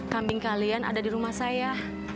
kambing kalian ada di rumah saya